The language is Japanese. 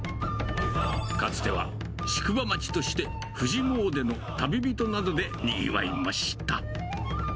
かつては宿場町として富士詣での旅人などでにぎわいました。